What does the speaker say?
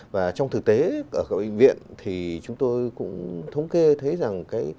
và trong thực tế ở các bệnh viện thì chúng tôi cũng thống kê thấy rằng cái